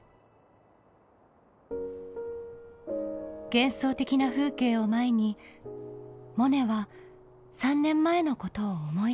幻想的な風景を前にモネは３年前のことを思い出していました。